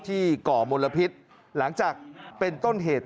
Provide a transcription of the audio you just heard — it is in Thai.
ก่อมลพิษหลังจากเป็นต้นเหตุ